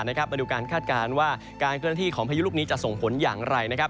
มาดูการคาดการณ์ว่าการเคลื่อนที่ของพายุลูกนี้จะส่งผลอย่างไรนะครับ